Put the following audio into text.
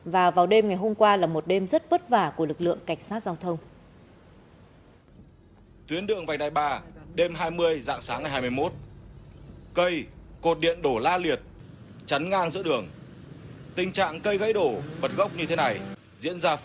và vào đêm ngày hôm qua là một đêm rất vất vả của lực lượng cảnh sát giao thông